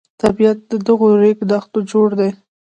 طبیعت له دغو ریګ دښتو جوړ دی.